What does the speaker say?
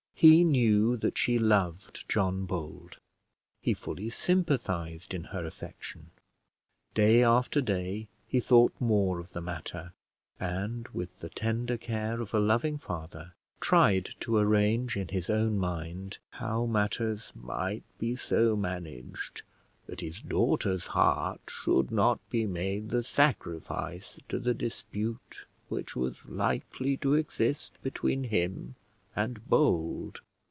He knew that she loved John Bold; he fully sympathised in her affection; day after day he thought more of the matter, and, with the tender care of a loving father, tried to arrange in his own mind how matters might be so managed that his daughter's heart should not be made the sacrifice to the dispute which was likely to exist between him and Bold.